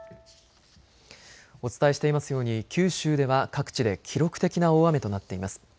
お伝えしていますように九州では各地で記録的な大雨となっています。